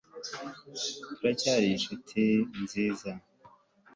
turacyari inshuti nziza